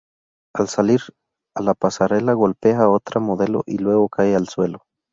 Al salir a la pasarela golpea a otra modelo y luego cae al suelo.